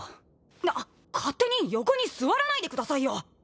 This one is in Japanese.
なっ勝手に横に座らないでくださいよ！